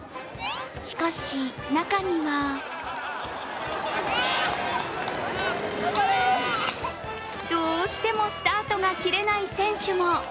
しかし中にはどうしてもスタートが切れない選手も。